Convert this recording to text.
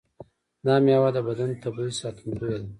دا میوه د بدن طبیعي ساتندوی ده.